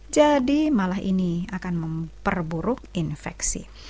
jadi malah ini akan memperburuk infeksi